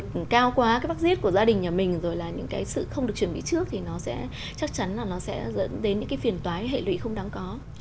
nó cao quá cái vaccine của gia đình nhà mình rồi là những cái sự không được chuẩn bị trước thì nó sẽ chắc chắn là nó sẽ dẫn đến những cái phiền toái hệ lụy không đáng có